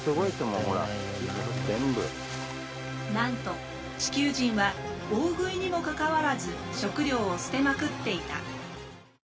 なんと地球人は大食いにもかかわらず食料を捨てまくっていた。